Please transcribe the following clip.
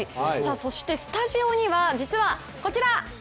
そしてスタジオには、実はこちら。